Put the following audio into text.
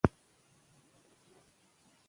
له کتابونو یې. قاضي وپوښت،